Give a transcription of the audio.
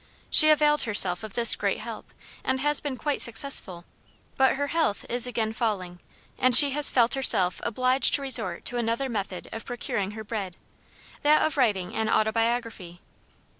She availed herself of this great help, and has been quite successful; but her health is again falling, and she has felt herself obliged to resort to another method of procuring her bread that of writing an Autobiography.